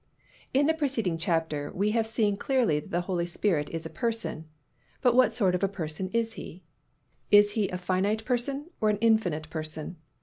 In the preceding chapter we have seen clearly that the Holy Spirit is a Person. But what sort of a Person is He? Is He a finite person or an infinite person?